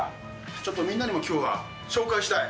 ちょっとみんなにもきょうは紹介したい。